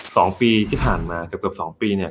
สองปีที่ผ่านมากับสองปีเนี่ย